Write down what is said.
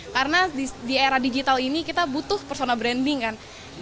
karena di era digital ini kita butuh personal branding kan